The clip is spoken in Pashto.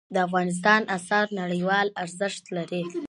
د افغانستان آثار نړیوال ارزښت لري.